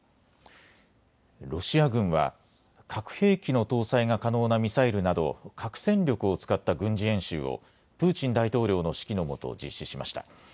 ロシア軍は核兵器の搭載が可能なミサイルなど核戦力を使った軍事演習をプーチン大統領の指揮のもと実施しました。